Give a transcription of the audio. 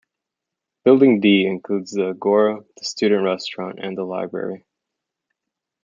Building D includes the agora, the student restaurant and the library.